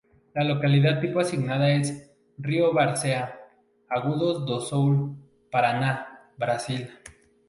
La localidad tipo asignada es: río da Várzea, Agudos do Sul, Paraná, Brasil.